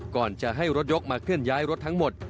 ก่อนจะให้รถยกมาเคลื่อนย้ายรถทั้งหมด